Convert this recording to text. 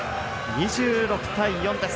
２６対４です。